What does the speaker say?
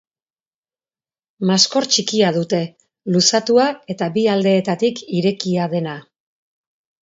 Maskor txikia dute, luzatua eta bi aldeetatik irekia dena.